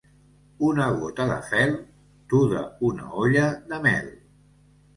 Una gota de fel tuda una olla de mel.